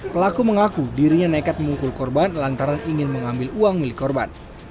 pelaku mengaku dirinya nekat memukul korban lantaran ingin mengambil uang milik korban